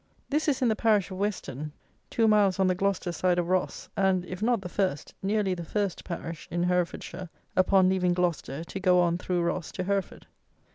This is in the parish of Weston, two miles on the Gloucester side of Ross, and, if not the first, nearly the first, parish in Herefordshire upon leaving Gloucester to go on through Ross to Hereford.